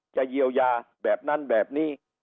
จะเยียวยาแบบนั้นแบบนี้